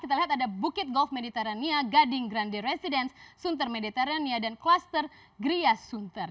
kita lihat ada bukit golf mediterania gading grande residence sunter mediterania dan klaster gria sunter